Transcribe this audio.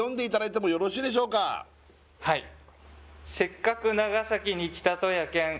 はい「せっかく長崎に来たとやけん」